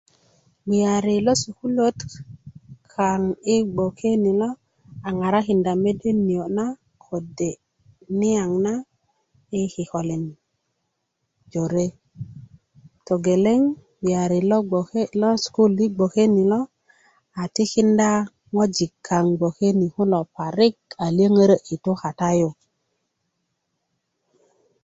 bgeyari lo sukuluöt kaŋ i bgoke ni lo a ŋarakinda mede nio na kode mede niyaŋ na i kikölin jore togeleŋ bgeyari lo sukulu i bgoke ni lo a tikinda ŋutu kaŋ bgoke ni kulo parika liyöŋörö i tu kata yu